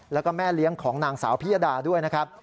แล้วก็แม่เลี้ยงของนางสาวพิยดาด้วยนะครับ